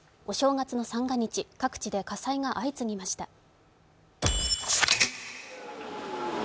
お正月の三が日、各地で火災が相次ぎました。